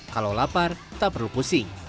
kalau lapar tak perlu pusing